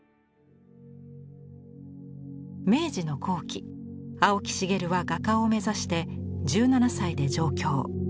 明治の後期青木繁は画家を目指して１７歳で上京。